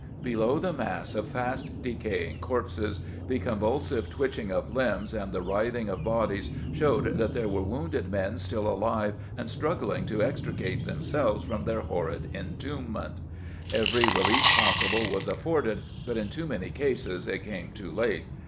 Below the mass of fast decaying corpses, the convulsive twitching of limbs and the writhing of bodies showed that there were wounded men still alive and struggling to extricate themselves from their horrid en tombment. Every relief possible was afforded, but in too many cases it came too late.